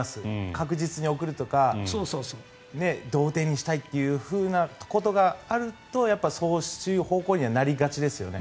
確実に送るとか同点にしたいということがあるとやっぱりそういう方向にはなりがちですよね。